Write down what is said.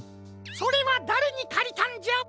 それはだれにかりたんじゃ？